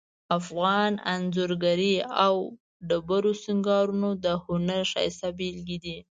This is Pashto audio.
افغان انځورګری او ډبرو سنګارونه د هنر ښایسته بیلګې دي